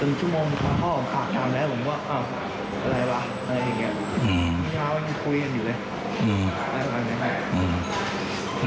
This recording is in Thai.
เป็นชั่วโมงภาพของข้ากลางแลน่ะผมคิดว่าอะไรบ้าง